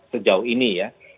sejauh ini ya